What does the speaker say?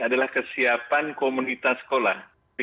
adalah kesiapan komunitas sekolah